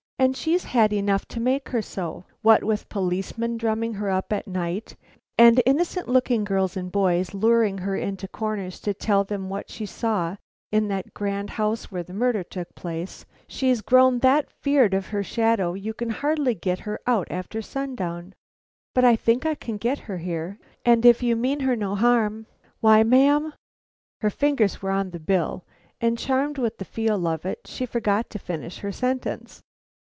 "And she's had enough to make her so! What with policemen drumming her up at night, and innocent looking girls and boys luring her into corners to tell them what she saw in that grand house where the murder took place, she's grown that feared of her shadow you can hardly get her out after sundown. But I think I can get her here; and if you mean her no harm, why, ma'am " Her fingers were on the bill, and charmed with the feel of it, she forgot to finish her sentence.